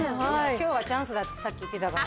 きょうはチャンスだって、さっき言ってたから。